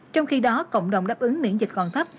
trong khi đó cộng đồng đáp ứng miễn dịch còn thấp